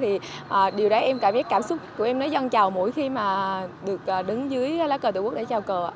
thì điều đấy em cảm giác cảm xúc của em nó dần chào mỗi khi mà được đứng dưới lá cờ tổ quốc để chào cờ